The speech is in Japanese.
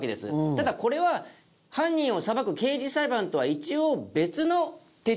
ただこれは犯人を裁く刑事裁判とは一応別の手続き。